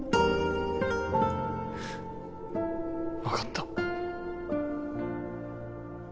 分かった。